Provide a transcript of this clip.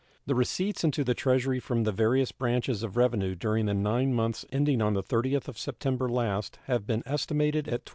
The receipts into the Treasury from the various branches of revenue during the nine months ending on the 30th of September last have been estimated at $12.